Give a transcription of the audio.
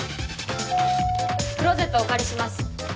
クローゼットをお借りします。